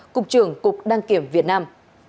cục trưởng cục đăng kiểm việt nam